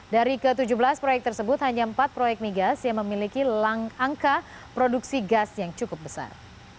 dari ke tujuh belas proyek tersebut hanya empat proyek migas yang memiliki angka produksi gas yang cukup besar